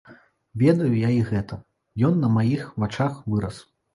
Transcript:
Ведаю я і гэта, ён на маіх вачах вырас.